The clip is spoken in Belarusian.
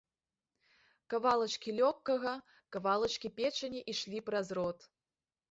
Кавалачкі лёгкага, кавалачкі печані ішлі праз рот.